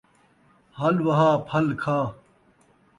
ہل وہا ، پھل کھا